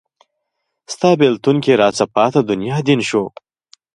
ستا بیلتون کې راڅه پاته دنیا دین شو